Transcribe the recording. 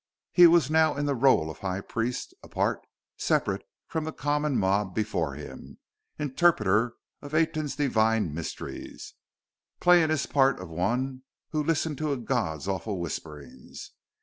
He was now in the role of High Priest: apart, separate from the common mob before him; interpreter of Aten's divine mysteries: playing his part of one who listened to a god's awful whisperings.